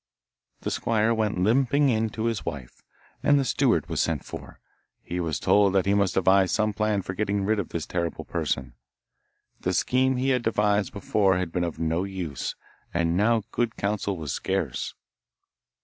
The squire went limping in to his wife, and the steward was sent for. He was told that he must devise some plan for getting rid of this terrible person. The scheme he had devised before had been of no use, and now good counsel was scarce.